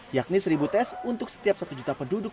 yakni seribu tes untuk setiap satu juta penduduk